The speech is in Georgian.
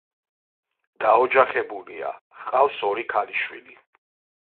დაოჯახებულია, ჰყავს ორი ქალიშვილი.